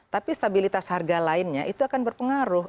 tapi stabilitas harga lainnya itu akan berpengaruh